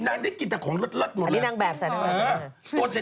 นางได้กินแต่ของลดหมดเลย